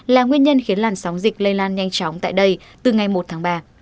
là nguyên nhân khiến làn sóng dịch lây lan nhanh chóng tại đây từ ngày một tháng ba